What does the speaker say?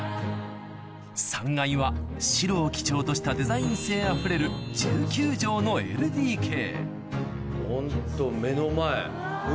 ３階は白を基調としたデザイン性あふれるホント目の前海。